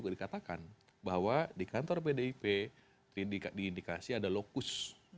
dikatakan bahwa di kantor pdip diindikasi ada lokus